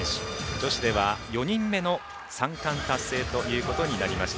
女子では４人目の三冠達成ということになりました。